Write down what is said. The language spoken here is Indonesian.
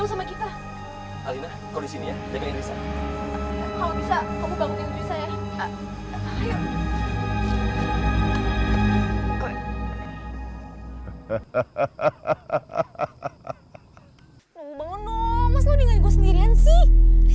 lo dengerin gue sendirian sih